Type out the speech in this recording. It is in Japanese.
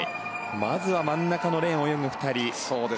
まずは真ん中のレーンを泳ぐ２人。